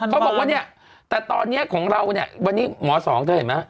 เขาบอกว่าเนี่ยแต่ตอนนี้ของเราเนี่ยวันนี้หมอสองเธอเห็นไหม